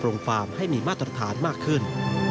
ฟาร์มให้มีมาตรฐานมากขึ้น